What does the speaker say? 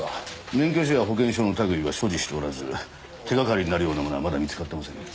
免許証や保険証の類いは所持しておらず手がかりになるようなものはまだ見つかってません。